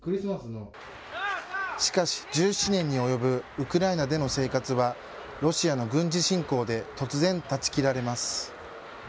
しかし１７年に及ぶウクライナでの生活はロシアの軍事侵攻で突然、断ち切られます。